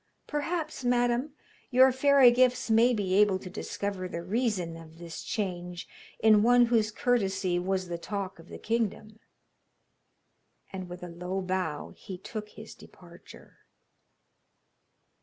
Perhaps, madam, your fairy gifts may be able to discover the reason of this change in one whose courtesy was the talk of the kingdom.' And with a low bow he took his departure.